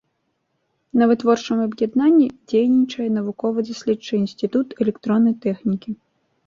На вытворчым аб'яднанні дзейнічае навукова-даследчы інстытут электроннай тэхнікі.